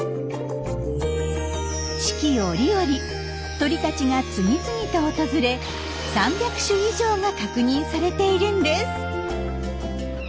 四季折々鳥たちが次々と訪れ３００種以上が確認されているんです。